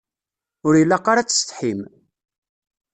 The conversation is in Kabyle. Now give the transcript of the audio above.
Ur ilaq ara ad tessetḥim.